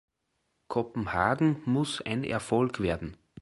Kopenhagen muss ein Erfolg werden.